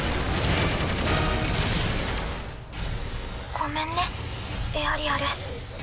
ごめんねエアリアル。